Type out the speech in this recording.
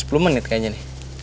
sepuluh menit kayaknya nih